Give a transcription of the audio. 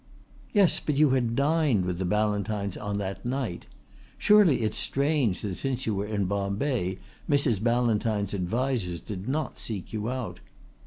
"Yes, but you had dined with the Ballantynes on that night. Surely it's strange that since you were in Bombay Mrs. Ballantyne's advisers did not seek you out."